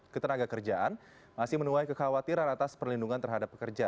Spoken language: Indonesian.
ketenaga kerjaan masih menuai kekhawatiran atas perlindungan terhadap pekerja